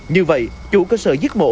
như vậy chủ cơ sở giết mổ